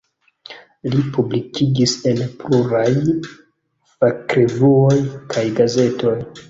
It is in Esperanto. Li publikigis en pluraj fakrevuoj kaj gazetoj.